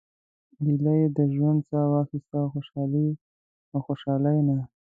ایله یې د ژوند سا واخیسته له خوشالۍ نه.